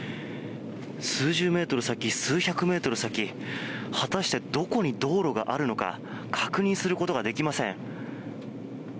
数十メートル先、数百メートル先果たしてどこに道路があるのか確認することができません。